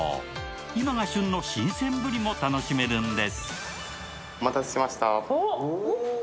今が旬の新鮮ぶりも楽しめるんです。